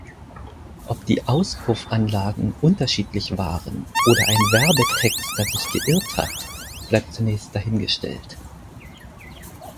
Ob die Auspuffanlagen unterschiedlich waren oder ein Werbe-Texter sich geirrt hat, bleibt zunächst dahingestellt.